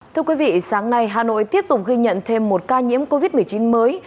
thưa quý vị sáng nay hà nội tiếp tục ghi nhận thêm một ca nhiễm covid một mươi chín mới